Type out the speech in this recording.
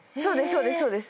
そうですそうです。